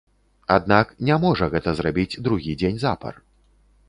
Аднак, не можа гэта зрабіць другі дзень запар.